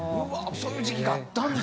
そういう時期があったんだ。